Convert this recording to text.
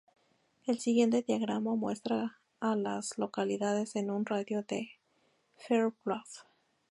El siguiente diagrama muestra a las localidades en un radio de de Fair Bluff.